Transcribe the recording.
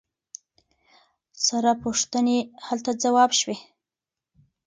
ثره پوښتنې هلته ځواب شوي.